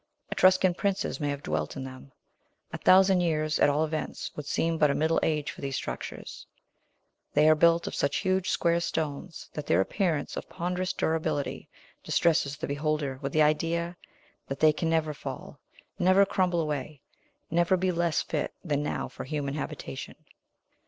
Etruscan princes may have dwelt in them. A thousand years, at all events, would seem but a middle age for these structures. They are built of such huge, square stones, that their appearance of ponderous durability distresses the beholder with the idea that they can never fall, never crumble away, never be less fit than now for human habitation.